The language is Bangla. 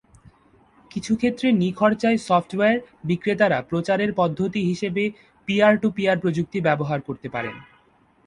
কিছু ক্ষেত্রে, নিখরচায় সফ্টওয়্যার বিক্রেতারা প্রচারের পদ্ধতি হিসাবে পিয়ার-টু-পিয়ার প্রযুক্তি ব্যবহার করতে পারেন।